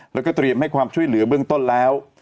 แล้วก็เตรียมให้ความช่วยเหลือเบื้องต้นแล้ว